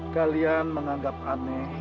kalian menganggap aneh